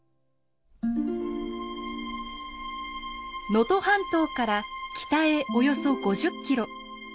能登半島から北へおよそ５０キロ。